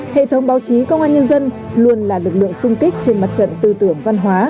hệ thống báo chí công an nhân dân luôn là lực lượng sung kích trên mặt trận tư tưởng văn hóa